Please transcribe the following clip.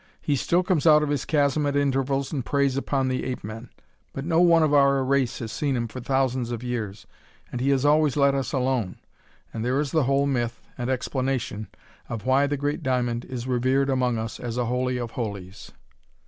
He still comes out of his chasm at intervals and preys upon the ape men, but no one of our race has seen him for thousands of years, and he has always let us alone. And there is the whole myth and explanation of why the great diamond is revered among us as a holy of holies."